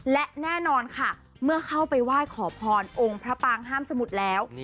และแน่นอนค่ะเมื่อเข้าไปไหว้ขอพรองค์พระปางห้ามสมุทรแล้ว